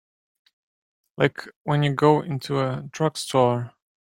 Like when you go into a drugstore.